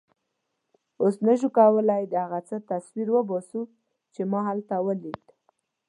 اوس نه شم کولای د هغه څه تصویر وباسم چې ما هلته ولیدل.